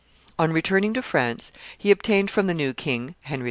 On returning to France he obtained from the new king, Henry II.